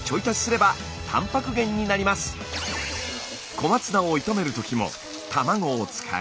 小松菜を炒めるときも卵を使い。